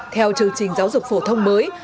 theo chương trình giáo dục phổ thông mới